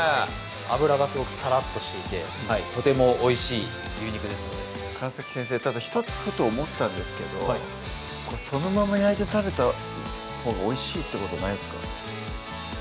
脂がすごくサラッとしていてとてもおいしい牛肉ですので川先生ただ１つふと思ったんですけどこれそのまま焼いて食べたほうがおいしいってことないですか？